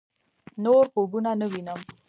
نور خوبونه نه وينم